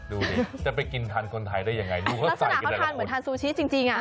ดูดิจะไปกินทานคนไทยได้ยังไงลักษณะเขาทานเหมือนทานซูชิจริง